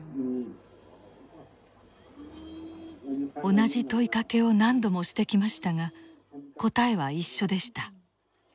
同じ問いかけを何度もしてきましたが答えは一緒でした。